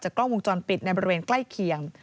กล้องวงจรปิดในบริเวณใกล้เคียง